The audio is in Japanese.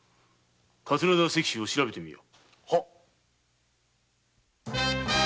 桂田石舟を調べてみよ。